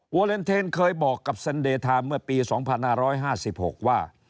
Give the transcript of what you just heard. เลนเทนเคยบอกกับเซ็นเดทาเมื่อปี๒๕๕๖ว่า